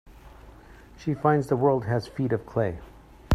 She finds the world has feet of clay.